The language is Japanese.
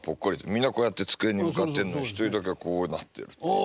みんなこうやって机に向かってるのに一人だけこうなってるというね。